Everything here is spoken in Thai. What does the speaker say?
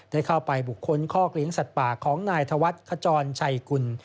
ได้เข้าไปบุคคลคอกเลี้ยงสัตว์ป่าของนายธวัฒน์ขจรชัยกุล